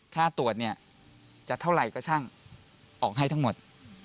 ถ้าตรวจเนี่ยจะเท่าไหร่ก็ช่างออกให้ทั้งหมด